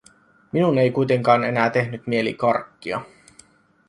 Minun ei kuitenkaan enää tehnyt mieli karkkia.